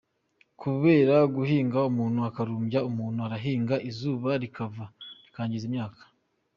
Kubera guhinga umuntu akarumbya umuntu arahinga izuba rikava rikangiza imyaka.